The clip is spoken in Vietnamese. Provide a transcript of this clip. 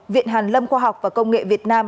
viện hàn lâm khoa học và công nghệ việt nam